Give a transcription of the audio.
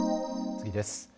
次です。